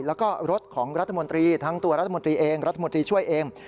แล้วก็รถของรัฐมนตรีทั้งตัวรัฐมนตรีเองรัฐมนตรีช่วยเอง